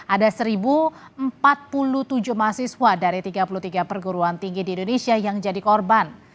ada satu empat puluh tujuh mahasiswa dari tiga puluh tiga perguruan tinggi di indonesia yang jadi korban